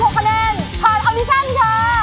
๕๖คะแนนผ่อนอัลดิชั่นค่ะ